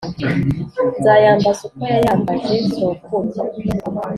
Nzayambaza uko yayambaje sokuru